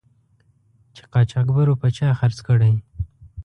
چې قاچاقبرو په چا خرڅ کړی.